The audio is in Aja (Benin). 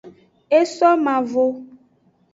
E so mavo.